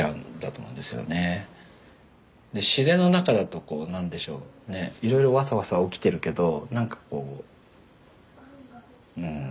で自然の中だと何でしょうねいろいろわさわさ起きてるけど何かこううん。